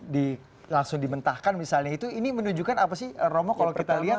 di langsung dimentahkan misalnya itu ini menunjukkan apa sih romo kalau kita lihat